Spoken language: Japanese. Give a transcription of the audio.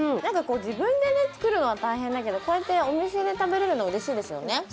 自分で作るのは大変だけどこうやってお店で食べれるのはうれしいですよね。